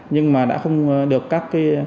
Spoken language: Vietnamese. nhưng mà đã không được các